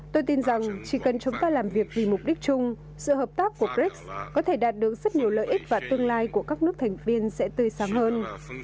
tôi tin rằng chỉ cần chúng ta làm việc vì mục đích chung sự hợp tác của brics có thể đạt được rất nhiều lợi ích và tương lai của các nước thành viên sẽ tươi sáng hơn